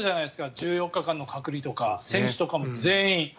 １４日間の隔離とか選手とかも全員。